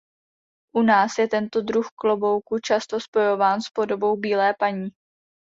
U nás je tento druh klobouku často spojován s podobou bílé paní.